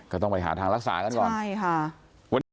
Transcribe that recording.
ก็ต้องไปหาทางรักษากันก่อนใช่ค่ะวันนี้